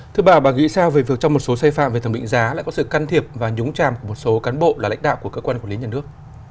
thưa bà bà nghĩ sao về việc trong một số xây phạm về thẩm định giá lại có sự can thiệp và nhúng tràm của một số cán bộ là lãnh đạo của cơ quan quản lý nhà nước